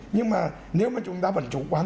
nhưng mà nếu mà chúng ta vẫn chủ quan